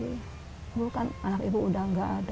ibu kan anak ibu udah gak ada